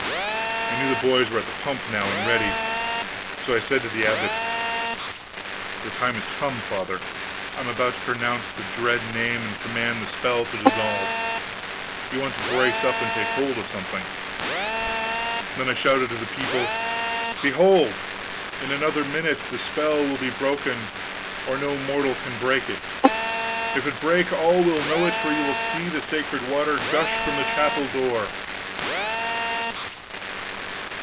I knew the boys were at the pump now and ready. So I said to the abbot: "The time is come, Father. I am about to pronounce the dread name and command the spell to dissolve. You want to brace up, and take hold of something." Then I shouted to the people: "Behold, in another minute the spell will be broken, or no mortal can break it. If it break, all will know it, for you will see the sacred water gush from the chapel door!"